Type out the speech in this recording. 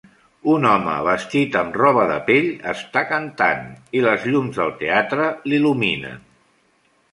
Un home vestit amb roba de pell està cantant i les llums del teatre l'il·luminen.